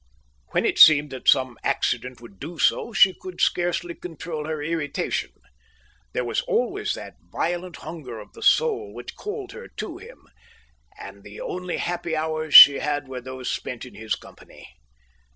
When it seemed that some accident would do so, she could scarcely control her irritation. There was always that violent hunger of the soul which called her to him, and the only happy hours she had were those spent in his company.